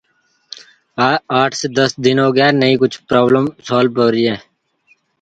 The hostage-taker then committed suicide after being shot by police.